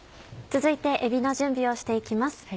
続いてえびの準備をして行きます。